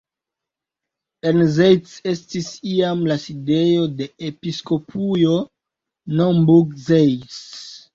En Zeitz estis iam la sidejo de la Episkopujo Naumburg-Zeitz.